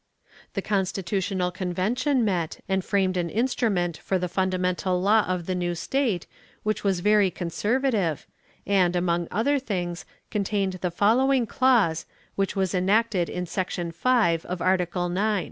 The constitutional convention met and framed an instrument for the fundamental law of the new state which was very conservative, and, among other things, contained the following clause, which was enacted in section 5 of article IX.